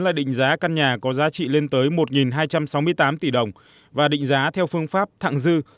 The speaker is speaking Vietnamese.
là định giá căn nhà có giá trị lên tới một hai trăm sáu mươi tám tỷ đồng và định giá theo phương pháp thẳng dư